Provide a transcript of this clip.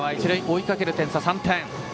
追いかける点差は３点。